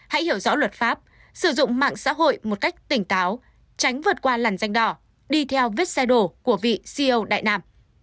hãy hiểu rõ luật pháp sử dụng mạng xã hội một cách tỉnh táo tránh vượt qua làn danh đỏ đi theo vết xe đổ của vị ceo đại nam